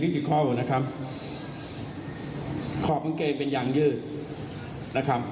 ที่ที่คอบนะครับขอบยังเกงเป็นยางยืดนะครับ